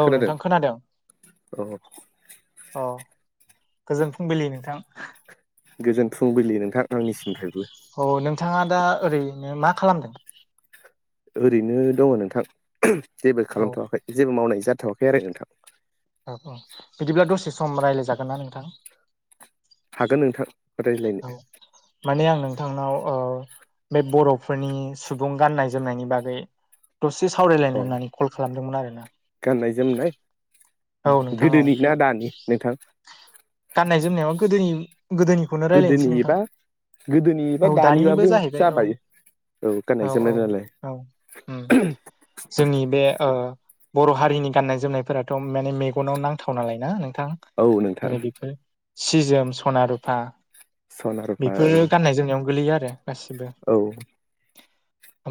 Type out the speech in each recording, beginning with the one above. औ नोंथां खोनादों? औ अ गोजोन फुंबिलि नोंथां। गोजोन फुंबिलि नोंथां आंनिसिमफ्रायबो। औ नोंथाङा दा ओरैनो मा खालामदों? ओरैनो दङ नोंथां जेबो औ खालामथ'वाखै जेबो मावनाय जाथ'वाखै आरो नोंथां। औ औ बिदिब्ला दसे सम रायज्लायजागोन ना नोंथां? हागोन नोंथां। रायज्लायनो औ माने आं नोंथांनाव ओ बे बर'फोरनि सुबुं गाननाय जोमनायनि बागै दसे अ सावरायलायनो होननानै कल खालामदोंमोन आरोना। गाननाय जोमनाय औ नोंथां औ गोदोनि ना दानि नोंथां? गाननाय जोमनायाव गोदोनि गोदोनिखौनो गोदोनि रायलायनोसै नोंथां एबा गोदोनि औ एबा दानिबो दानिबाबो जाहैबाय औ जाबाय। औ गाननाय जोमनाय नालाय औ उम ओमह। जोंनि बे ओ। बर हारिनि गाननाय जोमनायफोराथ माने मेगनाव नांथाव नालाय ना नोंथां। औ नोंथां जेरै बेफोर सि जोम सना रुफा। सना रुफा बेफोरो गाननाय जोमनायावनो गोलैयो आरो गासिबो। औ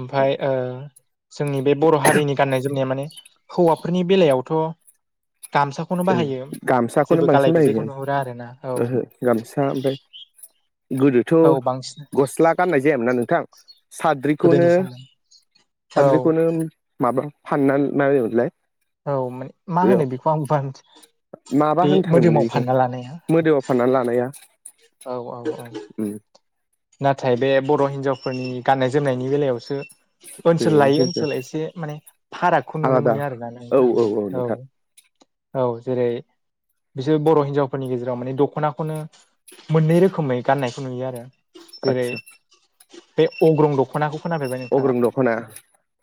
ओमफ्राय ओ-जोंनि बे बर हारिनि गाननाय जोमनाया माने। हौवाफोरनि बेलायावथ। गामसाखौनो बाहायो गामसाखौनो जेबो बांसिन गालाय बाहायगोन गुजायखौ नुहुरा आरो ना औ। ओहो गामसा ओमफ्राय गोदोथ' औ बांसिन गस्ला गाननाय जायामोना नोंथां? साद्रिखौनो गोदोनि समाव औ साद्रिखौनो माबा फाननानै मा जायोमोनलाय। औ माने मा होनो बेखौ आं बा माबा बे होनथारोमोनलै मोदोमाव बेखौ फानना लानाया? मोदोमाव फाननानै लानाया? औ औ औ। ओम। नाथाय बे बर' हिनजावफोरनि गाननाय जोमनायनि बेलायावसो ओनसोल लायै बे ओनसोल एसे माने फारागखौ नुनो आलादा मोनो आरोना नोंथां औ। औ जेरै। बिसोर बर हिनजावफोरनि गेजेराव माने दखनाखौनो मोननै रोखोमै गाननायखौ नुयो आरो। जेरै आदसा बे अग्रं दखनाखौ खोनाफेरबाय नोंथाङा। अग्रं दख'ना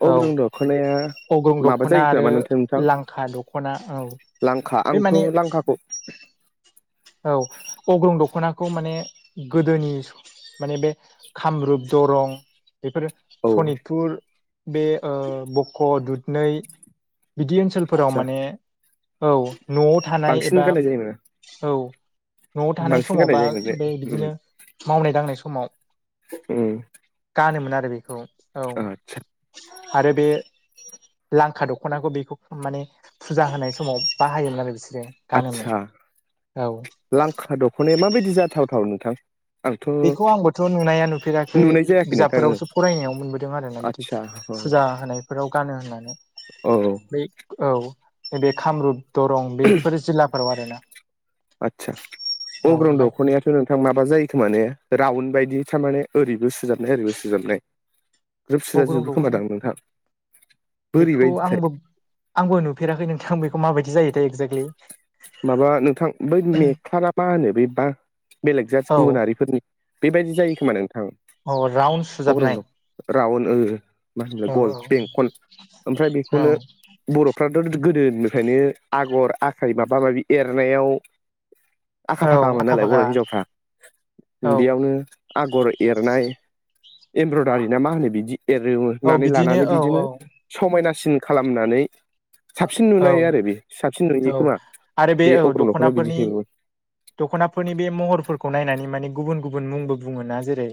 अग्रं दख'नाया औ अग्रं माबा दखना जायो आरो खोमा नोंथां नोंथां लांखा दखना औ। लांखा बे आंथ माने लांखाखौ औ अग्रं दखनाखौ माने गोदोनि माने बे खामरुप दरं बेफोरो औ सनिपुर बे ओ-बक दुदनै बिदि ओनसोलफोराव आदसा माने औ न बांसिन गानाय जायोनो। नआव थानाय समाव बा बे उम बिदिनो मावनाय दांनाय समाव। उम गानोमोन आरो बेखौ औ आतसा। आरो बे लांखा दखनाखौ बेखौ माने फुजा होनाय समाव बाहायोमोन आरो बिसोरो आदसा गानोमोन। औ। लांखा दखनाया माबायदि जाथावथाव नोंथां। आंथ' बेखौ आंबोथ नुनाया नुफेराखै नुनाय जायाखै नोंथां बिजाबफोरावसो फरायनायाव मोनबोदों आरोना बिदि। आदसा औ फुजा होनायफोराव गानो होननानै। औ। बे औ नैबेे कामरुप दरं बेफोर जिल्लाफोराव आरोना। आतसा औ अग्रन ओमफ्राय दखनाया। नोंथां माबा जायो खोमा माने राउन्ड बायदि थारमाने ओरैबो सोजाबनाय ओरैबो सोजाबनाय। ग्रोब सुजा अग्रं जोबो दख'ना खोमादां नोंथां। बेखौ बोरैबायदिथाय आंबो आंबो नुफेराखै नोंथां बेखौ माबायदि जायोथाय एक्जेक्लि। माबा नोंथां बै मेखला ना मा होनो बे बा बेलेग जाथि औ गुबुनारिफोरनि। बेबायदि जायो खोमा नोंथां। अ राउन सुजाबनाय। रावन ओ मा होनाय औ गल औ बेंखल ओमफ्राय औ बेखौनो। बरफ्राथ गोदोनिफ्रायनो आगर आखाइ माबा माबि एरनायाव। आखा औ फाखामोन नालाय फाखा बर हिनजावफ्रा औ बेयावनो आगर एरनाय। एमब्रदारि ना मा होनो बिदि औ एरनानै लानानै औ औ बिदिनो समायनासिन खालामनानै साबसिन औ नुनाय आरो बे। साबसिन नुयो औ खोमा आरो बे औ अग्रं दखनायाव बिदि दख'नाफोरनि हेबो दख'नाफोरनि बे महरफोरखौ नायनानै माने गुबुन गुबुन मुंबो बुङोना जेरै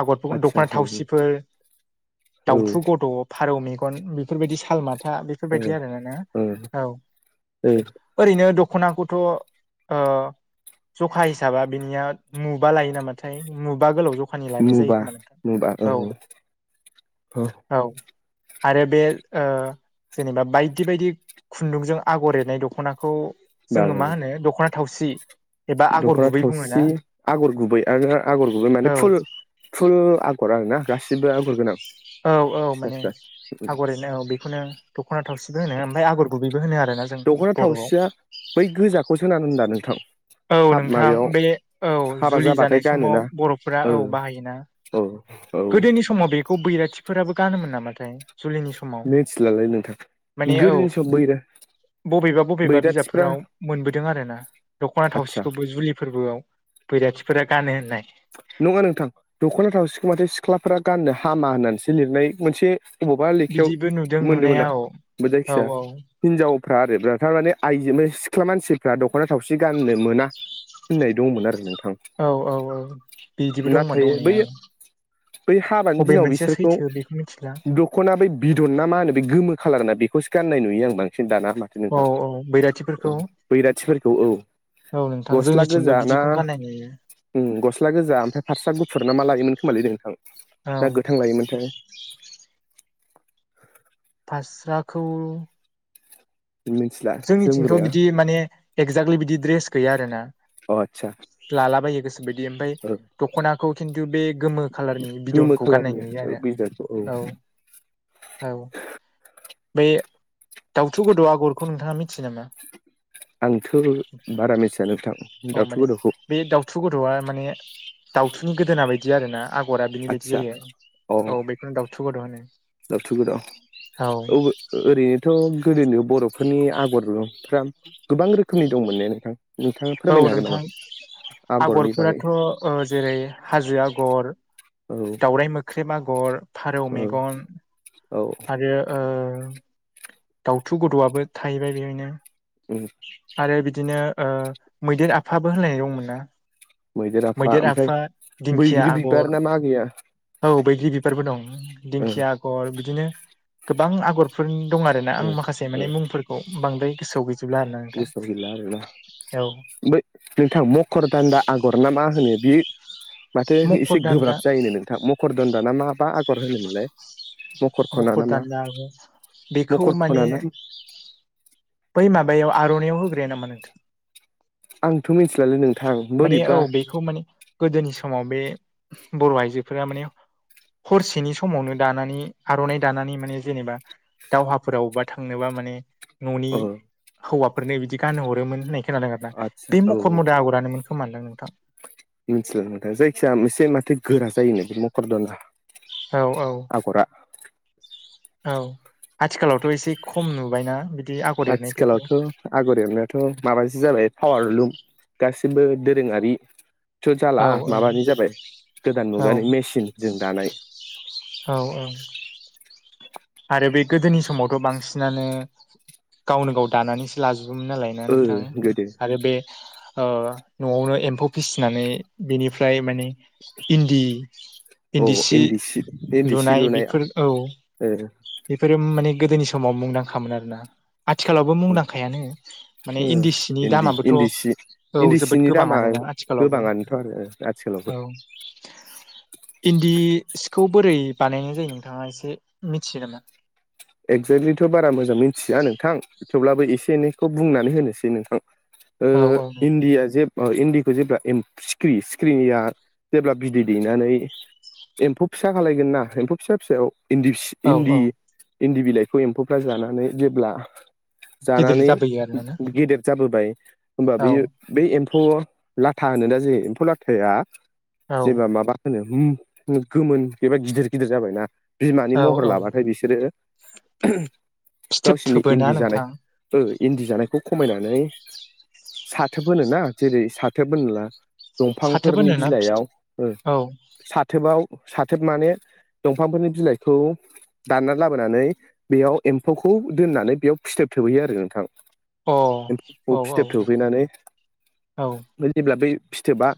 आगरखौ आदसा दख'ना औ थावसिफोर ओ दाउथु गद' फारौ मेगन बेफोरबायदि साल माथा बे उम उम उम ओरैनो दख'नाखौथ' ओ जखा हिसाबा बिनिया मुबा लायो नामाथाय मुबा गोलाव ज फानि लनाय जायो मुबा खोमा नोंथां मुबा औ। औ आरो बे ओ-जेनेबा बायदि बायदि खुन्दुंजों आगर एरनाय दखनाखौ बा जोङो मा होनो दखना थावसि। एबा आगर दखना गुबै बुङोना थावसि आगर गुबै आरो आगर गुबै औ माने फुल फुल आगर आरोना गासिबो आगर गोनां औ औ फिसा माने फिसा आगर एरनो औ बे। खौनो दखना थावसिबो होनो ओमफ्राय आगर गुबैबो होनो आरो ना। दख'ना थावसिया बै गोजाखौसोन होना होनबा नोंथां। औ हाब नोंथां माबायाव बे औ हाबा जुलि जाबाथाय जानाय गानोना समाव बर'फोरा औ बाहायोना। औ औ। गोदोनि समाव बेखौ बैराथिफोराबो गानोमोन नामाथाय जुलिनि समाव। मिथिलालै नोंथां माने औ गोदोनि समाव बैरा बबेबा बबेबा बैराथिफ्रा बिजाबफोराव मोनबोदों आरो ना दख'ना आदसा थावसिखौबो जुलि फोरबोआव बैराथिफोरा गानो होननाय नङा नोंथां दख'ना थावसिखौ माथो सिख्लाफोरा गाननो हामा होननानैसो लिरनाय मोनसे बबावबा लेखायाव बिदिबो नुदों नुनाया मोन्दोंमोन आं औ औ जायखिया हिनजावफ्रा आरो थारमाने आइजो सिख्ला मानसिफ्रा दख'ना थावसि गाननो मोना होननाय दंमोन आरो नोंथां औ औ औ बिदिबो दंमोन नाथाय बै दंनाया बै हाबानि बबे दिनाव मोनसेया बिसोरखौ सैथो बेखौ मिथिला दखना बै बिदन ना मा होनो बे गोमो खालारना बेखौस गाननाय नुयो आं बांसिन दाना मा औ नोंथां औ औ बैराथिफोरखौ बैराथिफोरखौ औ औ नोंथां गस्ला गोजा जोंनिथिंबो ना बिदिखौनो गानाय नुयो उम गस्ला गोजा ओमफ्राय फारसा गुफुर ना मा लायोमोन खोमालै नोंथां औ ना गोथां लायोमोनोंथाय फास्राखौ मिनसिला जोंनिथिंथ' बिदि माने एगजाक्टलि बिदि ड्रेस गैया आरोना अ आदसा लालाबायो गोसोबायदि ओमफाय ओ दख'नाखौ खिन्थु बे गोमो खालारनि गोमो बिदनखौ गाननाय खालारनि नुयो आरो बिदनखौ औ औ बे दाउथु गोद' आगरखौ नोंथाङा मिथियो नामा? आंथ' बारा मिन्थिया नोंथां औ माने दावथु गोद'खौ बे दाउथु गद'आ माने दाउथुनि गोदोना बायदि आर ना आगरा बिनि बायदि आदसा जायो अ औ बेखौनो दाउथु गोद' होनो दाउथु गोदाव औ ओरैनोथ' गोदोनि बर'फोरनि आगरफ्रा गोबां रोखोमनि दंमोन ने नोंथां नोंथाङा औ फोरमायनो हागोन नामा नोंथां आगरनि बागै आगरफोराथ' ओ जेरै हाजो आगर दावरायाइ मोख्रेब आगर उम औ बे ओ दाउथु गद'आबो थाहैबाय बेहायनो उम आरो बिदिनो ओ मैदेर आफाबो होनलायनाय दंमोन ना मैदेर आफा दिंखिया बैग्रि बिबार आगर ना मा गैया? औ बायदि बिबारबो दं ओ दिंखिया आगर बिदिनो गोबां आगर बेफोर दं आरोना आं ओ माखासे ओ माने मुंफोरखौ बांद्राय गोसोआव गैजा गोसोआव गैला आरोना औ ओम नोंथां मखर दान्दा आगर ना मा होनो बेयो माथो मखर एसे दान्दा गोब्राब जायो नोंथाङा मखर दोनदााना मााबा आगर होनोमोनलाय? मखर खना ना मा दाननो हागौ बेखौ मखर माने खना ना बै माबायाव आर'इआव होग्राया नामा नोंथां? आंथ' मिथिलालै नों माने औ बेखौ माने गोदोनि समाव बे बर' आइजोफोरा माने हरसेनि समावनो दानानै आर'नाइ दानानै माने जेनेबा दावहाफोराव अबावबा थांनोबा माने न'नि अ हौवाफोरनो बिदि गानहरोमोन होननाय खोनादों आरोना आदसा बे औ मखर मदा आगरानो मोनदों नोंथां मिथिला नोंथां जायखिजाया मोनसे माथो गोरा जायोनो बे मखरदना औ औ आगरा औ आथिखालावथ' एसे खम नुबायना बिदि आ आथिखालावथ' आगर एरनायाथ' माबाज जाबाय पावार लुक गासिबो दोरोङारि थ' जाला औ माबानो जाबाय गोदान औ मुगानि मेसिन जों दानाय औ औ आरो बे गोदोनि समावथ' बांसिनानो गावनो गाव दानानैसो लाजोबोमोन नालाय ना ओ नोंथां गोदो आरो बे ओ न'आवनो एम्फौ फिसिनानै बेनिफ्राय माने इन्दि औ इन्दि सि इन्दि सि लुनाय लुनाया बेफोर औ [unintelligible] बेफोरो माने गोदोनि समाव मुंदांखामोन आरोना आथिखालावबो मुंदांखायानो माने इन्दि सिनि दामाबोथ' इन्दि सि औ इन्दि जोबोद सिनि दामा गोबाङानोना आथिखालावबो गोबाङानोथ' आरो आथिखालावबो औ इन्दि सिखौ बोरै बानायनाय जायो नोंथाङा एसे थियो नामा? एगजेक्टलिथ' बारा मोजां मिथिया नोंथां थेवब्लाबो एसे एनैखौ बुंनानै होनोसै नोंथां ओ औ औ इण्डिया जे ओ इन्दिखौ जेब्ला सिख्रि सिक्रिनिया जेब्ला बिदै दैनानै एम्फौ फिसा खालायगोन ना एम्फौ फिसा फिसायाव इन्दि औ इन्दि औ इन्दि बिलाइखौ एम्फौफ्रा जानानै जेब्ला गिदिर जानानै जाबोयो आरोना ना? गेदेर जाबोबाय होमबा औ बियो बै एम्फौ लाथा होनो दा जायो एम्फौ लाथायाया औ जेबा माबा होनो उम गोमोन एबा गिदिर गिदिर जाबायना बिमानि औ महर औ लाबाथाय बिसोरो फिथोब गावसोरनि थोबोना इन्दि नोंथां जानाय इन्दि जानायखौ खमायनानै साथोब होनो ना जेरै साथोब होनला फाथोबो दंफांफोरनि होनोना बिलाइयाव फिथो औ [unintelligible] थोबाव साथेब माने दंफांफोरनि बिलाइखौ दानना लाब होनानै बेयाव एम्फौखौ दोननानै बेयाव फिथोब थोबहोयो आरो नोंथां अ एम्फौ औ फिथोब थोबहैनानै जेब्ला बै फिथोबा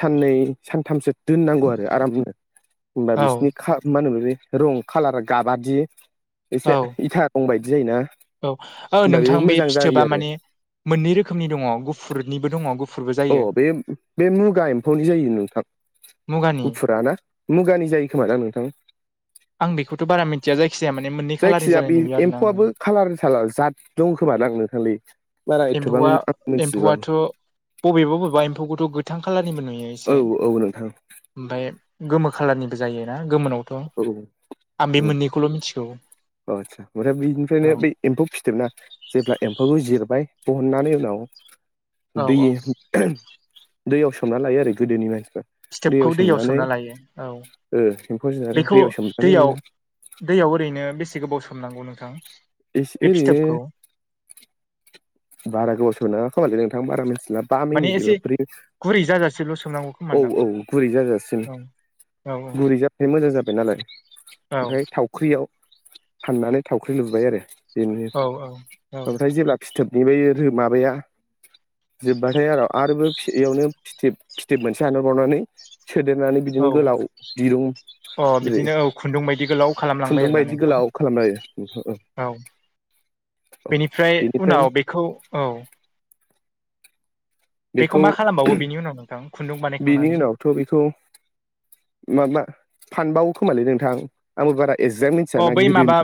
साननै सानथामसो दोननांगौ आरो आरामनो होमबा बिसिनि खा मा होनो बे रं खालारा गाबादि औ एसे इथा गंबायदि जायोना औ औ होमबा नोंथां बे मोजां जायो फिथोबा आरो माने मोननै रोखोमनि दङ गुफुरनिबो दङ गु अ बे बे मुगा एम्फौनि जायो नोंथां मुगानि गुफुरा ना? मुगानि जायो खोमा दां नोंथां? आं बेखौथ' बारा मिथिया जायखिजाया माने मोननै खालारनि जायखिजाया जानाय बे नुयो आरोना आङो। एम्फौआबो खालार जाद दं खोमा दांं नों खालि बारा एथ'बां एम्फौआ मिथिजोब आं। एम्फौआथ' बबेबा बबेबा एम्फौखौथ' गोथां खालारनिबो नुयो औ एसे। औ नोंथां ओमफफ्राय गोमो खाालारनिबो जायोोना गोमोनावथ'। औ आं बे मोननैखौल' मिथिगौ। अ आस्सा ओमफ्राय बेनिफ्रायनो औ बै एम्फौ फिथोबना जेब्ला एम्फौखौ जिरबाय दिहननानै उनाव औ दै औ दैयाव सोमना लायो आरो गोदोनि मानसिफ्रा पिथोबखौ दैयाव सोमना लायो औ ओ एम्फौ जानानै बेखौ दैयाव सोमनानै दैयाव दैयाव ओरैनो बेसे गोबाव सोमनांगौ नोंथां? बे एसे आरैनो फिथोबखौ बारा गोबथ' सोनाङा खोमालै नोंथां बारा मिनथिलाब बा माने मिनिट एसे एबा ब्रै गुरै जाजासेल' सोमनांगौ औ खोमादां औ गुरै जाजासिम औ औ गुरै जाबथाय मोजां जाबाय नालाय औ ओमफ्राय थाव थावख्रियाव फाननानै थावख्रि लुबाय आरो बेनो औ औ ओमफ्राय जेब्ला फिथोबनि ब माबाया जोब्बाथाय आरो आरोबाव इयावनो फिथोब फिथोब मोनसे हानर बावनानै सोदेरनानै औ बिदिनो गोलाव दिरुं अ जेरै बिदिनो औ खुन्दुं बायदि गोलाव खालामलांबाय खुन्दुं आरोना बायदि नोंथां। गोलाव खालामबाय आरो औ औ बेनिफ्राय बेनिफ्रायनो उनाव बेखौ औ। बेखौ मा खालामबावो बेनि उनाव नोंथां खुन्दुं बानायखांनानै? थ बेखौ माबा फानबावो खोमालै नोंथां आंबो बारा एक्जेक्ट अ बै माबा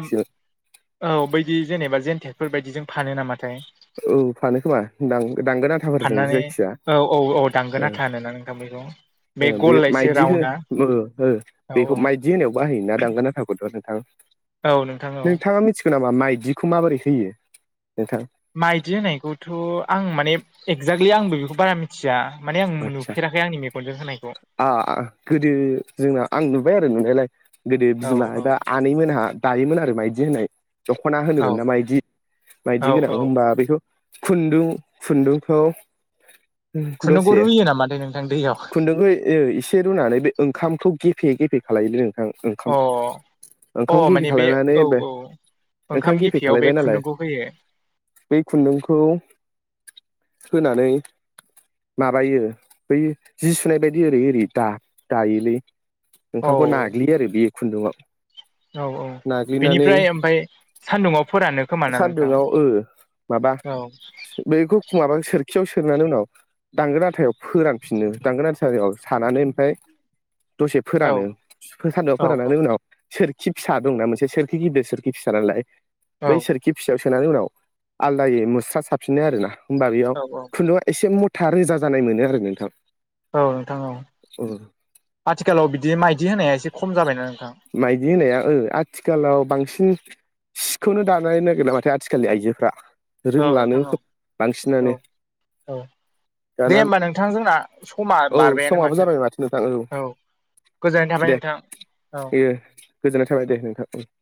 औ बैदि जेनेबा जेेनथेरफोर बायदि जों फानो नामाथाय। औ फानो खोमा दां दांगोन आथाफोरजों फाननानै जायखिजाया औ औ औ दांगोन ओ। आथा होनोना नोंथां बेखौ ओ बे गल एसे माइदि हो राउन्डआ बो हो औ बेखौ औ माइदि जे होनायाव बाहायो ना दांगोन आथाखौथ नोंथां औ नोंथां औ नोंथाङा मिथि नाबा माइदिखौ माबोरै होयो नोंथां? माइदि होनायखौथ आं माने एक्जेक्टलि आंबो बेखौ बारा मिथिया। माने आं आदसा नुफेराखै आं मेगन आ आ गोदो जोंना आं नुबाय आरो नुनायलाय गोदो औ बिमा औ एबा आनैमोनहा दायोमोन आरो माइदि होनाय। दख'ना औ होनोमोन ना माइदि औ माइदि गोनां औ होनबा बेखौ। खुन्दुं खुन्दुंखौ खुन्दुंखौ दसे रुयो नामाथाइ नोंथां दैयाव। खुन्दुंखौ ओ एसे रुनानै बे ओंखामखौ गेफे गेफे खालायोलै नोंथां अ ओंखाम। अ ओंखाम गिफे माने बे खालायनानै औ औ ओंखाम गिफे गेफेयाव बे खालायबाय नालाय। खुन्दुंखौ होयो बै खुन्दुंखौ होनानै माबायो बै जि सुनाय बायदि ओरै ओरै दा दायोलै औ ओंखामखौ ना ग्लियो आरो बे खुन्दुआव औ औ बेनिफ्राय ओमफाय सान्दुङाव फोरानो। खोमाना नोंथां सान्दुंआव ओ माबा औ बैखौ माबा सोरखियाव सोनानै उनाव दांगोन आथायाव फोरानफिनो दांगोन आथायायाव सानानै ओमफ्राय दसे औ फोरानो सानदुंआव औ फोराननानै उनाव सोरखि फिसा दंना मोनसे सोरखि गिदिर सोरखि फिसा नालाय। औ बै सोरखि फिसायाव सोनानै उनाव आलदायै मुस्रा साफिनो आरो ना? होमबा बेयाव औ औ खुन्दुआ एसे मुथा रोजा जानाय मोनो आरो नोंथां। औ नोंथां औ आथिखालाव बिदि माइदि होनाया एसे खम जाबायना नोंथां। माइदि होनाया ओ आथिखालाव बांसिन सिखौनो दानाय नागिरा माथो आथिखालनि आइजोफ्रा। औ रोंलानो नोंथां औ औ बांसिनानो। औ दे दाना होमबा नोंथां जोंना समा औ बारबायानो समाबो जाबाय माथो नोंथां औ। गोजोननाय थाबाय नोंथां। औ दे गोजोननाय थाबाय दे नोंथां ओं ‌।